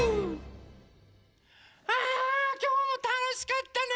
ああきょうもたのしかったね